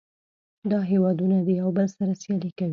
دا هیوادونه د یو بل سره سیالي کوي